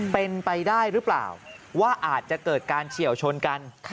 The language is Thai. เป็นไปได้หรือเปล่าว่าอาจจะเกิดการเฉียวชนกัน